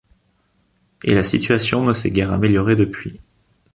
Et la situation ne s'est guère améliorée depuis.